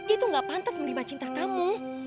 itu gak pantas menimba cinta kamu